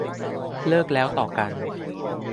เลิกแล้วต่อกัน